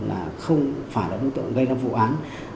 là không phải là đối tượng gây ra vụ án